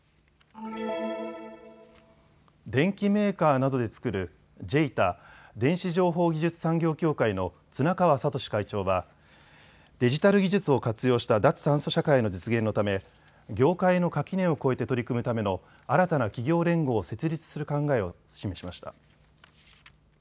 電機メーカーなどで作るＪＥＩＴＡ・電子情報技術産業協会の綱川智会長はデジタル技術を活用した脱炭素社会の実現のため業界の垣根を越えて取り組むための新たな企業連合を設立する考えを示しました。